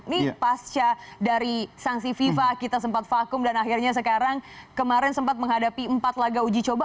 nih pasca dari sanksi fifa kita sempat vakum dan akhirnya sekarang kemarin sempat menghadapi empat laga uji coba